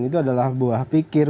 itu adalah buah pikir